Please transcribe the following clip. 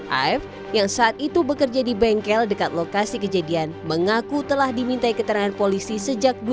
af yang saat itu bekerja di bengkel dekat lokasi kejadian mengaku telah dimintai keterangan polisi sejak dua ribu